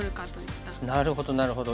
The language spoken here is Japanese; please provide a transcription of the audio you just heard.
なるほどなるほど。